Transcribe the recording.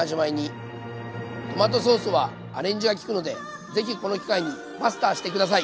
トマトソースはアレンジがきくので是非この機会にマスターして下さい！